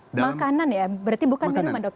makanan ya berarti bukan biru dokter ya